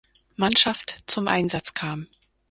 Mannschaft zum Einsatz kam.